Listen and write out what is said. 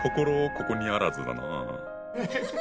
ここにあらずだなぁ。